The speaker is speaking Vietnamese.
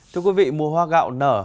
thưa quý vị mùa hoa gạo nở